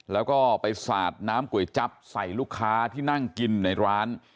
แล้วก็ไปสาดน้ำก๋วยจั๊บใส่ลูกค้าที่นั่งกินในร้าน